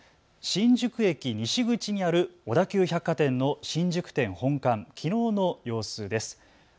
新宿駅西口にある小田急百貨店の新宿店本館、きのうの様子です。